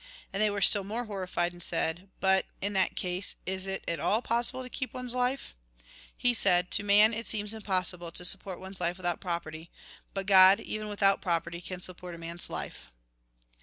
And they were still more horrified, and said :" "But, in that case, is it at all possible to keep one's life ?" He said :" To man it seems impossible to support one's life without property ; but God, even without property, can support a man's life."